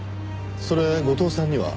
それ後藤さんには？